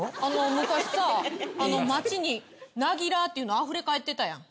昔さ街にナギラーっていうの溢れ返ってたやん。